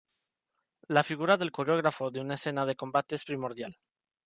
La figura del coreógrafo de una escena de combate es primordial.